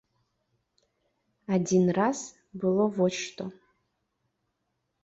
Адзін раз было вось што.